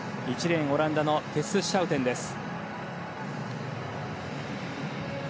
１レーン、オランダのテス・シャウテンです。